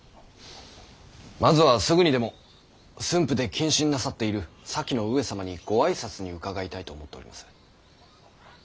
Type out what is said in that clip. まずはすぐにでも駿府で謹慎なさっている先の上様にご挨拶に伺いたいと思っております。